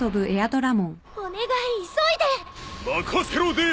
お願い急いで！